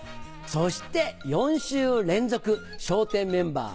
そして４週連続笑点メンバー